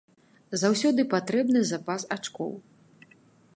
Заўсёды патрэбны запас ачкоў.